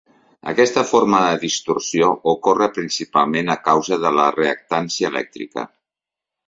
Aquesta forma de distorsió ocorre principalment a causa de la reactància elèctrica.